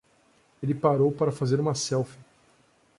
Ele parou pra fazer uma selfie.